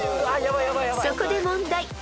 ［そこで問題］